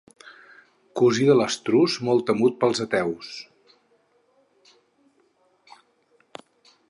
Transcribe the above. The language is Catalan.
Cosí de l'estruç molt temut pels ateus.